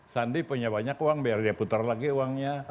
sandi punya banyak uang biar dia putar lagi uangnya